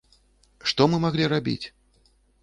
Што мы маглі рабіць?